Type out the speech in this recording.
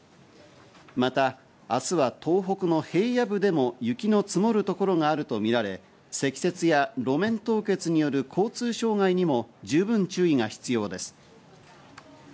また、明日は東北の平野部でも雪の積もる所があるとみられ、積雪や路面凍結による交通障害にも十分注意が必要です。